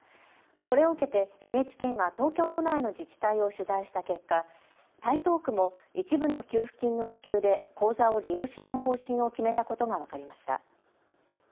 これを受けてＮＨＫが東京都内の自治体を取材した結果、台東区も一部の給付金の支給で口座を利用しない方針を決めたことが分かりました。